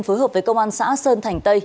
phối hợp với công an xã sơn thành tây